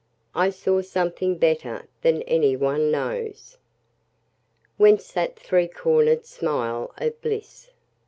I saw something better than any one knows. Whence that three corner'd smile of bliss?